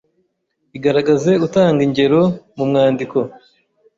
igaragaze utanga ingero mu mwandiko